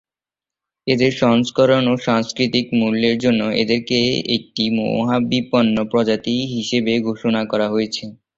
এদের সংরক্ষণ ও সাংস্কৃতিক মূল্যের জন্য এদেরকে একটি মহাবিপন্ন প্রজাতি হিসেবে ঘোষণা করা হয়েছে।